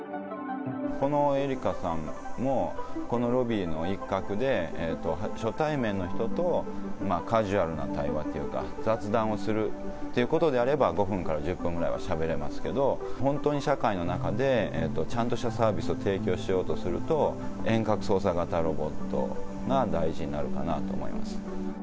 このエリカさんも、このロビーの一画で、初対面の人とカジュアルな対話っていうか、雑談をするっていうことであれば、５分から１０分ぐらいはしゃべれますけど、本当に社会の中でちゃんとしたサービスを提供しようとすると、遠隔操作型ロボットが大事になるかなと思います。